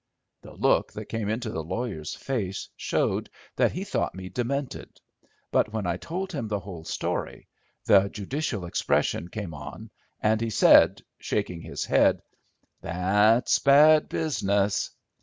The look that came into the lawyer's face showed that he thought me demented; but, when I told him the whole story, the judicial expression came on, and he said, shaking his head— "That's bad business."